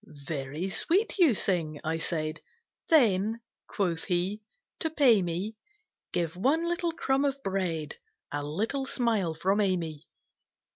"Very sweet you sing," I said; "Then," quoth he, "to pay me, Give one little crumb of bread, A little smile from Amy."